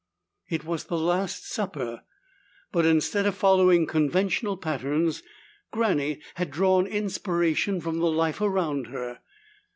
It was The Last Supper, but instead of following conventional patterns, Granny had drawn inspiration from the life around her.